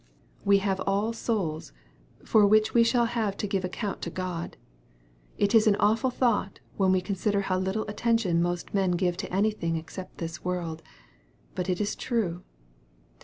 We have all souls, for which wo shall have to give account to God. It is an awful thought, when we consider how little attention most men give to anything except this world. But it is true.